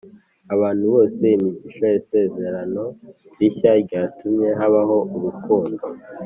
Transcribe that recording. abantu bose imigisha Isezerano rishya ryatumye habaho urukundo